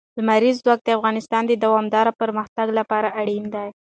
لمریز ځواک د افغانستان د دوامداره پرمختګ لپاره اړین دي.